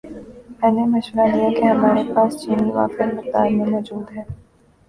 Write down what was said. میں نے مشورہ دیا کہ ہماری پاس چینی وافر مقدار میں موجود ہے